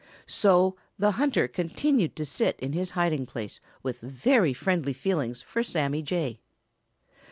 So the hunter continued to sit in his hiding place with very friendly feelings for Sammy Jay.